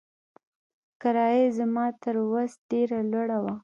کرايه يې زما تر وس ډېره لوړه وه.